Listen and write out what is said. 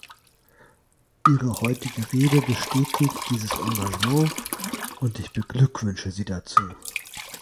Ihre heutige Rede bestätigt dieses Engagement, und ich beglückwünsche Sie dazu.